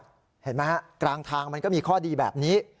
เห็นไหมฮะกลางทางมันก็มีข้อดีแบบนี้